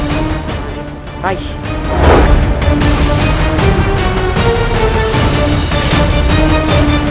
guru tangkap ini